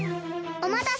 おまたせ。